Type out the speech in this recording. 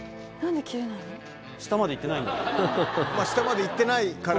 下までいってないから。